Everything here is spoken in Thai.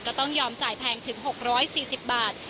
ก็ต้องยอมจ่ายแพงถึง๖๔๐บาท